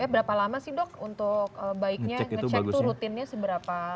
berapa lama sih dok untuk baiknya ngecek tuh rutinnya seberapa